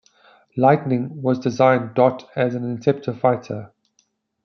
Lightning, was designed.. dot as an intercepter fighter.